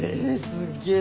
すっげえ。